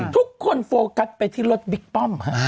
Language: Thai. ทุกคนโฟกัสไปที่รถบิ๊กป้อม